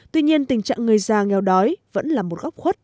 tuy nhiên tình trạng người già nghèo đói vẫn là một góc khuất